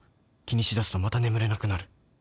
気にしだすとまた眠れなくなる